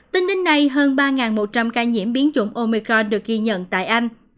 tính đến nay hơn ba một trăm linh ca nhiễm biến chủng omicor được ghi nhận tại anh